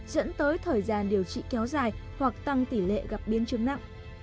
dẫn tới thời gian điều trị kéo dài hoặc tăng tỷ lệ gặp biến chứng nặng